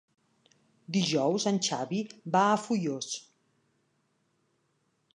Dijous en Xavi va a Foios.